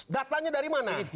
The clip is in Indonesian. datanya dari mana